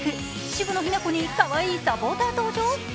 渋野日向子選手にかわいいサポーター登場？